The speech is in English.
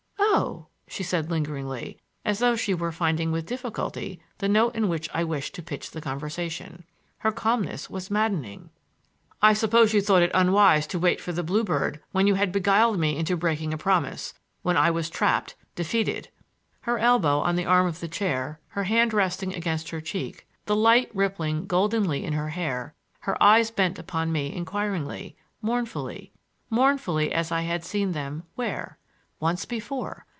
"Oh!" she said lingeringly, as though she were finding with difficulty the note in which I wished to pitch the conversation. Her calmness was maddening. "I suppose you thought it unwise to wait for the bluebird when you had beguiled me into breaking a promise, when I was trapped, defeated,—" Her elbow on the arm of the chair, her hand resting against her check, the light rippling goldenly in her hair, her eyes bent upon me inquiringly, mournfully,— mournfully, as I had seen them—where?—once before!